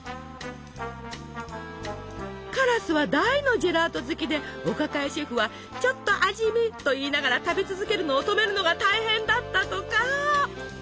カラスは大のジェラート好きでお抱えシェフはちょっと味見といいながら食べ続けるのを止めるのが大変だったとか！